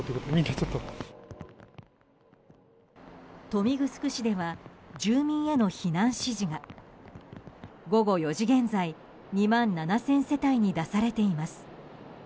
豊見城市では住民への避難指示が午後４時現在２万７０００世帯に出されています。